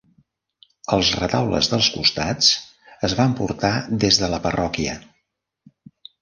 Els retaules dels costats es van portar des de la parròquia.